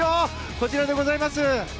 こちらでございます。